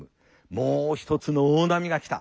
もう一つの大波が来た。